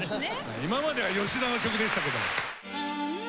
今までは吉田の曲でしたけども。